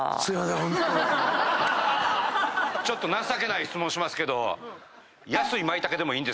ちょっと情けない質問しますけど。